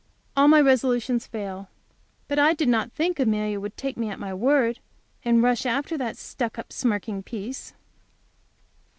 All my resolutions fail. But I did not think Amelia would take me at my word, and rush after that stuck up, smirking piece.